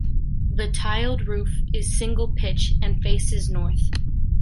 The tiled roof is single pitch and faces north.